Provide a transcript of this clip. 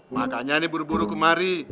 makanya ini buru buru kemari